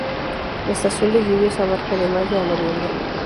La estación de lluvias abarca de mayo a noviembre.